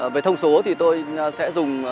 về thông số thì tôi sẽ dùng